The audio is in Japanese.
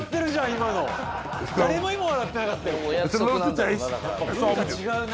今の誰も今笑ってなかったよ